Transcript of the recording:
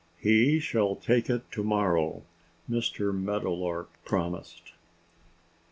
"He shall take it to morrow!" Mr. Meadowlark promised.